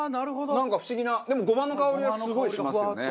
なんか不思議なでもごまの香りはすごいしますよね。